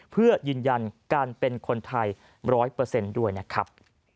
เพื่อยืนยันการเป็นคนไทย๑๐๐ด้วยนะครับ